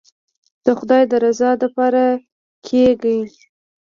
د خداى د رضا دپاره کېګي.